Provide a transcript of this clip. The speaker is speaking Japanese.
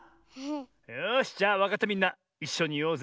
よしじゃあわかったみんないっしょにいおうぜ！